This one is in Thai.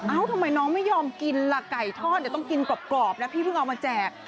ทำไมน้องไม่ยอมกินล่ะไก่ทอดเดี๋ยวต้องกินกรอบนะพี่เพิ่งเอามาแจก